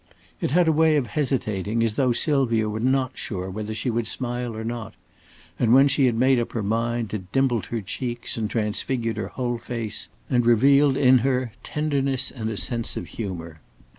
It had a way of hesitating, as though Sylvia were not sure whether she would smile or not; and when she had made up her mind, it dimpled her cheeks and transfigured her whole face, and revealed in her tenderness and a sense of humor.